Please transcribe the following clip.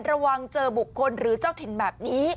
ระวังเจอบุคคลหรือเจ้าถิ่นแบบนี้